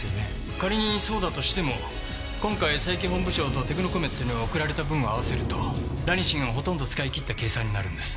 仮にそうだとしても今回佐伯本部長とテクノコメットに送られた分を合わせるとラニシンをほとんど使い切った計算になるんです。